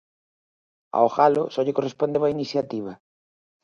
Ao Galo só lle correspondeu a iniciativa.